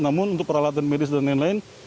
namun untuk peralatan medis dan lain lain